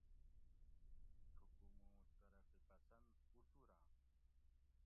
"تھکو موں ""ترقی پسند"" اُڷوراۤں؟"